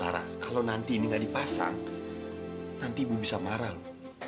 lara kalau nanti ini enggak dipasang nanti ibu bisa marah